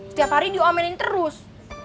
setiap hari diomenin terus